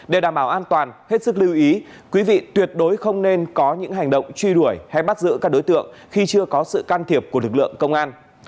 để đảm bảo an toàn hết sức lưu ý quý vị tuyệt đối không nên có những hành động truy đuổi hay bắt giữ các đối tượng khi chưa có sự can thiệp của lực lượng công an